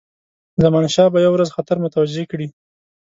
زمانشاه به یو ورځ خطر متوجه کړي.